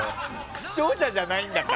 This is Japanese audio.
視聴者じゃないんだから。